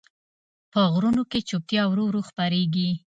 په غرونو کې چوپتیا ورو ورو خپرېږي.